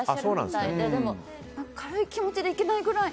でも軽い気持ちでいけないぐらい。